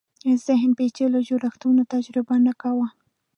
ذهن پېچلو جوړښتونو تجزیه نه کاوه